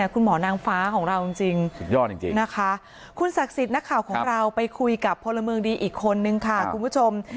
คุณหมอนางฟ้าของเราจริงสุดยอดจริงนะคะคุณศักดิ์สิทธิ์นักข่าวของเราไปคุยกับพลเมืองดีอีกคนนึงค่ะคุณผู้ชม